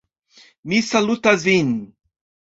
Mi salutas vin!